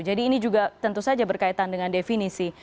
jadi ini juga tentu saja berkaitan dengan definisi